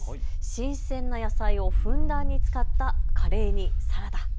新鮮な野菜をふんだんに使ったカレーにサラダ。